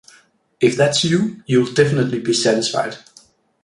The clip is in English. If that's you, you'll definitely be satisfied.